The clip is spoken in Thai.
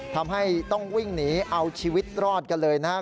ทำให้ต้องวิ่งหนีเอาชีวิตรอดกันเลยนะครับ